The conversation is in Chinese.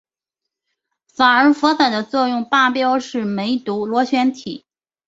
洒尔佛散的作用靶标是梅毒螺旋体。